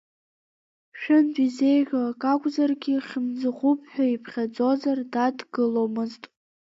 Шәынтә изеиӷьу акакәзаргьы, хьымӡӷуп ҳәа иԥхьаӡозар, дадгыломызт.